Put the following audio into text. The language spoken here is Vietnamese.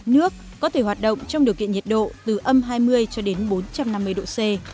nước có thể hoạt động trong điều kiện nhiệt độ từ âm hai mươi cho đến bốn trăm năm mươi độ c